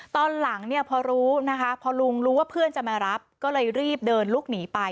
ตอนหลังเนี่ยพอรู้นะคะพอลุงรู้ว่าเพื่อนจะมารับก็เลยรีบเดินลุกหนีไป